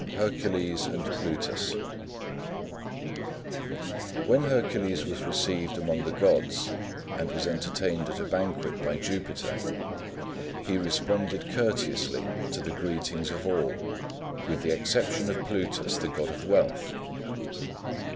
HERCULES AND PLUTUS When Hercules was received among the gods and was entertained at a banquet by Jupiter, he responded courteously to the greetings of all with the exception of Plutus, the god of wealth.